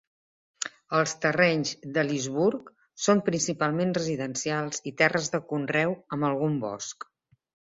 Els terrenys d'Elysburg són principalment residencials i terres de conreu, amb algun bosc.